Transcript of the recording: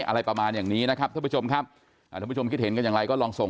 อะไรประมาณอย่างนี้นะครับท่านผู้ชมครับอ่าท่านผู้ชมคิดเห็นกันอย่างไรก็ลองส่ง